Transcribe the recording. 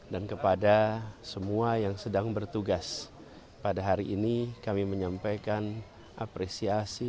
dan kepada semua yang sedang bertugas pada hari ini kami menyampaikan apresiasi